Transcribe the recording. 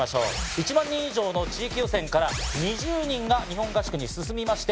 １万人以上の地域予選から２０人が日本合宿に進みまして